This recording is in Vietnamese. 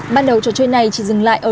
ban đầu trò chơi này chỉ dừng lại ở